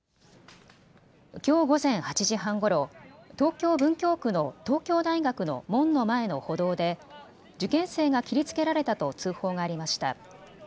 きょう午前８時半ごろ、東京文京区の東京大学の門の前の歩道で受験生が切りつけられたと通報がありました。